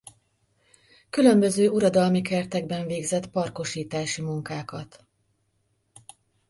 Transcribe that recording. Különböző uradalmi kertekben végzett parkosítási munkákat.